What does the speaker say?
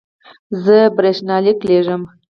زه برېښنالیک لیږم